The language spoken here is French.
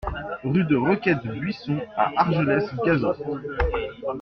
Rue de Roquette Buisson à Argelès-Gazost